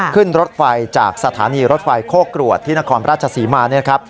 ขึ้นรถไฟจากสถานีโรดไฟโคกรวดที่นครราชสีมา